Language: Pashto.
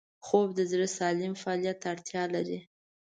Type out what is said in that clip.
خوب د زړه سالم فعالیت ته اړتیا لري